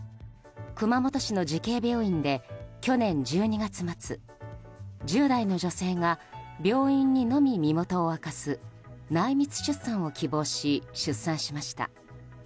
熊本市の慈恵病院で去年１２月末１０代の女性が病院にのみ身元を明かす内密出産を希望し出産しました。